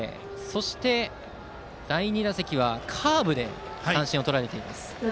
そして、第２打席カーブで三振をとられています。